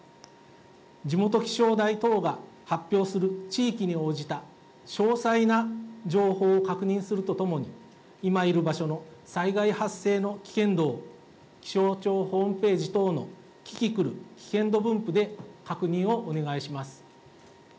地元気象台等が発表する、地域に応じた詳細な情報を確認するとともに、今いる場所の災害発生の危険度を、気象庁ホームページ等のキキクル、危険度分布で確認をお願いします。